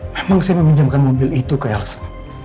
memang saya meminjamkan mobil itu ke elsa